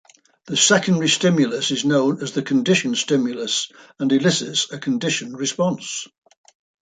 The secondary stimulus is known as the conditioned stimulus and elicits a conditioned response.